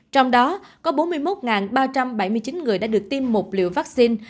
trong đó có bốn mươi một ba trăm bảy mươi chín người đã được tiêm một liều vaccine